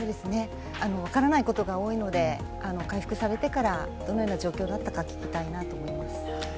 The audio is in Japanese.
分からないことが多いので、回復されてからどのような状況だったか聞きたいなと思います。